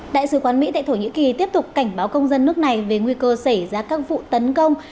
đại sứ quán mỹ tại thổ nhĩ kỳ tiếp tục cảnh báo công dân nước này về nguy cơ xảy ra các vụ tấn công